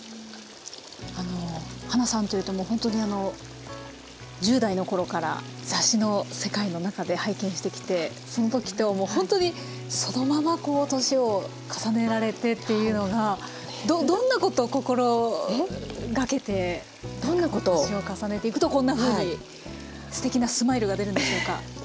あのはなさんというともうほんとにあの１０代の頃から雑誌の世界の中で拝見してきてその時ともうほんとにそのままこう年を重ねられてっていうのがどんなことを心がけてどんなことを年を重ねていくとこんなふうにすてきなスマイルが出るんでしょうか？